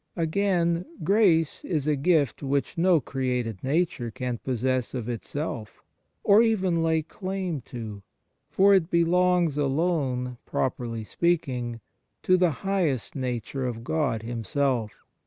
Again, grace is a gift which no created nature can possess of itself, or even lay claim to; for it belongs alone, properly speaking, to the highest nature of God Himself.